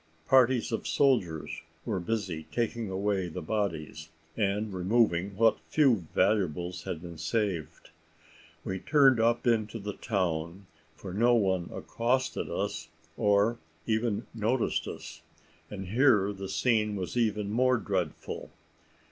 Parties of soldiers were busy taking away the bodies, and removing what few valuables had been saved. We turned up into the town, for no one accosted or even noticed us; and here the scene was even more dreadful.